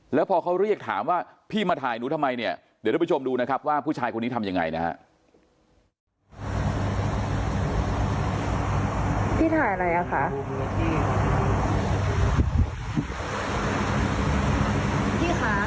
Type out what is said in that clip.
แล้วพอเขาเรียกถามว่าพี่มาถ่ายหนูทำไมเนี่ยเดี๋ยวทุกผู้ชมดูนะครับว่าผู้ชายคนนี้ทำยังไงนะฮะ